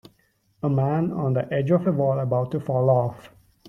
A man on the edge of a wall about to fall off.